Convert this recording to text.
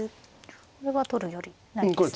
これは取るよりないですね。